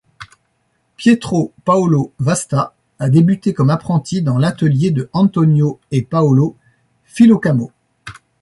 Pietro Paolo Vasta a débuté comme apprenti dans l'atelier de Antonio et Paolo Filocamo.